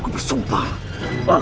kepada produkan wilayah